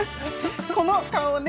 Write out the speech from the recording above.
この顔をね